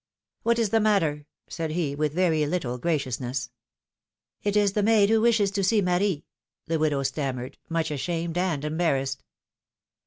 What is the matter ? said he, with very little graciousness. It is the maid who wishes to see Marie,^^ the widow stammered, much ashamed and embarrassed.